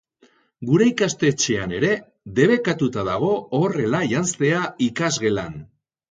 Gure ikastetxean ere debekatuta dago horrela janztea ikasgelan.